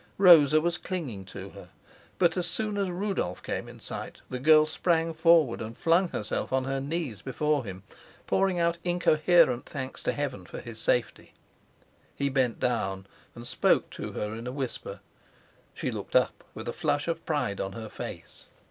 Rosa was clinging to her; but as soon as Rudolf came in sight, the girl sprang forward and flung herself on her knees before him, pouring out incoherent thanks to Heaven for his safety. He bent down and spoke to her in a whisper; she looked up with a flush of pride on her face.